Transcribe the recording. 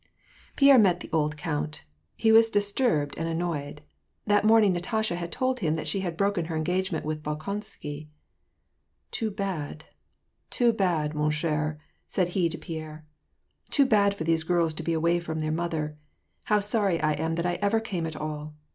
Pierre met the old count. He was disturbed and an noyed. That morning Katasha had told him that she had broken her engagement with Bolkonsky. " Too bad, too bad, Ttum cher^^ said he to Pierre. " Too bad for these girls to be away from their mother : how sorry I am that I ever came at all.